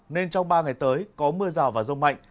nên trong ba ngày tới có mưa rào và rông mạnh